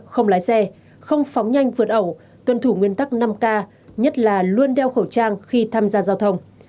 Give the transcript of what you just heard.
không lái xe không phóng nhanh vượt ẩu tuân thủ nguyên tắc năm k nhất là luôn đeo khẩu trang khi tham gia giao thông